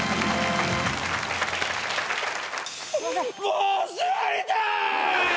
もう座りたい！